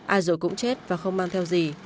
ai rồi cũng chết và không mang theo gì